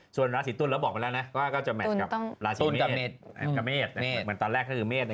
ส่วนราศีตุ้นเราบอกมาแล้วนะ